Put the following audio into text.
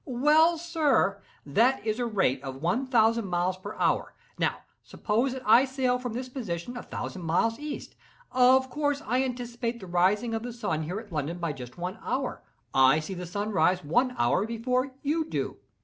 "Well, sir; that is at the rate of one thousand miles per hour. Now, suppose that I sail from this position a thousand miles east. Of course I anticipate the rising of the sun here at London by just one hour. I see the sun rise one hour before you do.